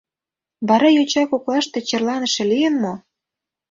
Вара йоча коклаште черланыше лийын мо?